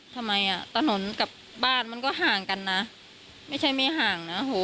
ทำไมอ่ะถนนกับบ้านมันก็ห่างกันนะไม่ใช่ไม่ห่างนะโห